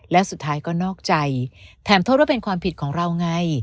และสุดท้ายก็นอกใจแถมโทษว่าเป็นความผิดของเราไง